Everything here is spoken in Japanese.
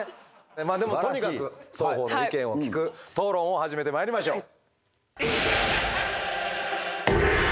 まあでもとにかく双方の意見を聞く討論を始めてまいりましょう。